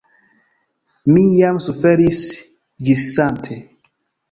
Mi jam suferis ĝissate.